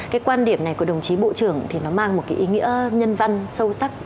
cái quan điểm này của đồng chí bộ trưởng thì nó mang một cái ý nghĩa nhân văn sâu sắc